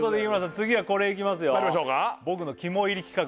次はこれいきますよ